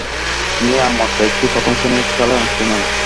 তিনি আর মাত্র একটি প্রথম-শ্রেণীর খেলায় অংশ নেন।